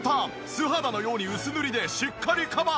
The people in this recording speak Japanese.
素肌のように薄塗りでしっかりカバー。